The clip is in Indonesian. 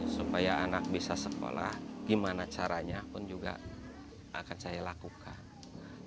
supaya anak bisa sekolah gimana caranya pun juga akan saya lakukan